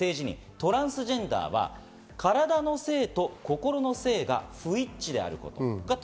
トランスジェンダーは体の性と心の性が不一致であること。